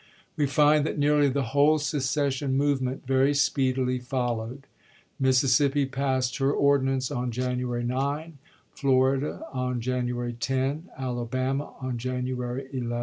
We find that nearly the whole secession movement very speedily followed. Mississippi passed her ordinance on Jan uary 9, Florida on January 10, Alabama on January isgi.